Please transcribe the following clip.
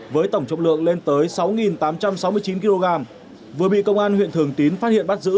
với tổng trọng lượng lên tới sáu tám trăm sáu mươi chín kg vừa bị công an huyện thường tín phát hiện bắt giữ